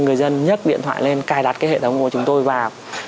người dân nhấc điện thoại lên cài đặt hệ thống của chúng tôi vào